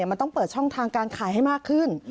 มันต้องเปิดช่องทางการขายให้มากขึ้น